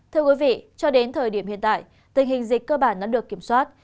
thưa quý vị cho đến thời điểm hiện tại tình hình dịch cơ bản đã được kiểm soát